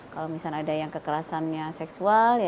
kalau misalnya ada yang kekerasannya seksual